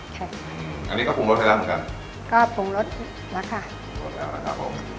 ค่ะอืมอันนี้ก็ปรุงรสได้แล้วเหมือนกันก็ปรุงรสแล้วค่ะ